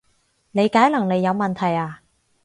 理解能力有問題呀？